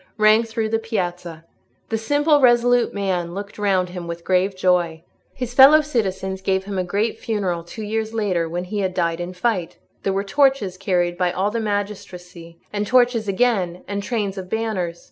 rang through the piazza. The simple, resolute man looked round him with grave joy. His fellow citizens gave him a great funeral two years later, when he had died in fight; there were torches carried by all the magistracy, and torches again, and trains of banners.